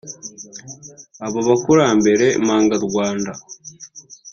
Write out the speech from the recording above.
Abo bakurambere mpangarwanda